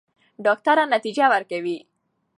ډاکټره نتیجه ورکوي.